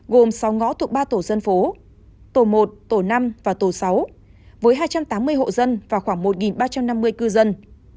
gồm sáu ngõ thuộc ba tổ dân phố tổ một tổ năm và tổ sáu với hai trăm tám mươi hộ dân và khoảng một ba trăm năm mươi cư dân